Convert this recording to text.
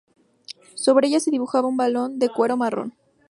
Sobre ellas se dibujaba un balón de cuero marrón.